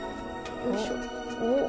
よいしょ。